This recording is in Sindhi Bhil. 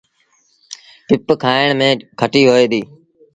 پپ کآڻ ميݩ کٽيٚ هوئي ديٚ۔